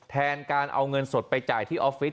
แทนการเอาเงินสดไปจ่ายที่ออฟฟิศ